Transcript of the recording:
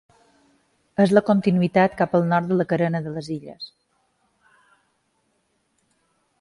És la continuïtat cap al nord de la Carena de les Illes.